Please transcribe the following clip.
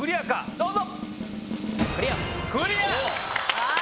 どうぞ！